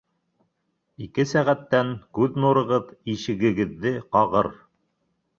Ике сәғәттән күҙ нурығыҙ ишегегеҙҙе ҡағыр